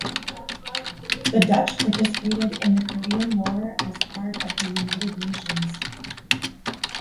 The Dutch participated in the Korean war as part of the United Nations.